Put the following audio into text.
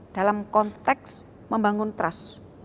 dalam konteks membangun trust